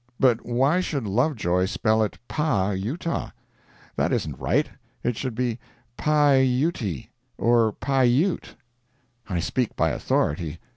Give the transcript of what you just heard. But why should Lovejoy spell it Pah Utah? That isn't right—it should be Pi Uty, or Pi Ute. I speak by authority.